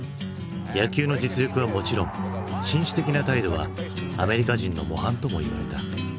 野球の実力はもちろん紳士的な態度はアメリカ人の模範ともいわれた。